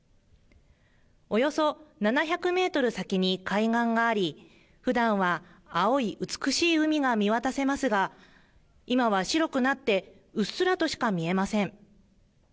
およそ７００メートル先に海岸があり、ふだんは青い美しい海が見渡せますが、今は白くなってうっすらとしか見えません。